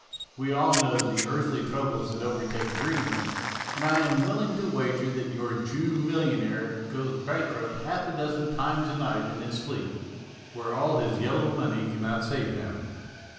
We all know the earthly troubles that overtake dreamers, and I am willing to wager that your Jew million aire goes bankrupt half a dozen times a night in his sleep, where all his yellow money cannot save him.